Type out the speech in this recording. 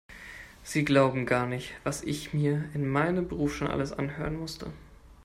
Sie glauben gar nicht, was ich mir in meinem Beruf schon alles anhören musste.